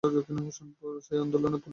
সেই আন্দোলনে পুলিশ গুলি চালায়।